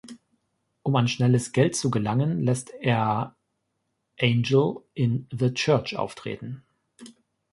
Um an schnelles Geld zu gelangen, lässt er Angel in „The Church“ auftreten.